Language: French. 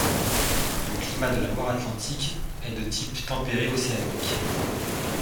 Le climat de la Loire-Atlantique, est de type tempéré océanique.